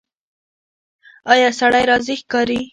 ایا سړی راضي ښکاري؟